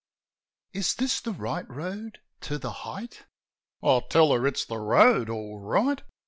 "Is this the right road to 'The Height?'" I tell her it's the road, all right.